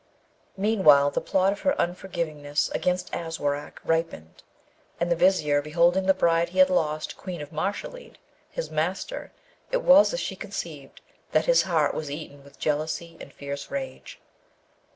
Meanwhile the plot of her unforgivingness against Aswarak ripened: and the Vizier beholding the bride he had lost Queen of Mashalleed his master, it was as she conceived, that his heart was eaten with jealousy and fierce rage.